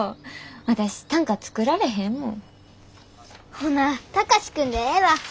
ほな貴司君でええわ。